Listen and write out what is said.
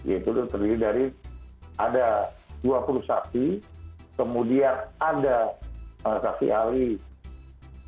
yaitu terdiri dari ada dua puluh saksi kemudian ada saksi ahli